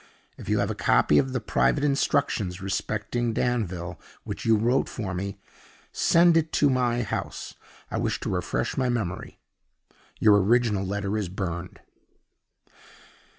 If you have a copy of the Private Instructions respecting Danville, which you wrote for me, send it to my house. I wish to refresh my memory. Your original letter is burned."